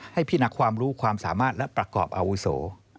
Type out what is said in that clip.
พี่นักความรู้ความสามารถและประกอบอาวุโส